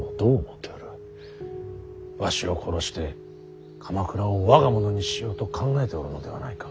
わしを殺して鎌倉を我が物にしようと考えておるのではないか。